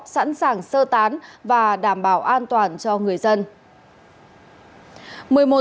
sẵn sàng sơ tán và đảm bảo an toàn cho người dân